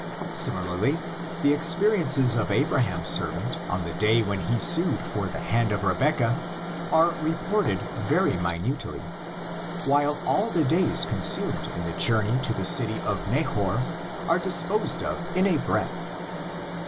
Similarly the experiences of Abraham's servant on the day when he sued for the hand of Rebeccah are reported very minutely, while all the days con LITER A R V FORM OF THE LEGENDS. 69 sumed in the journey to the city of Nahor are dis posed of in a breath.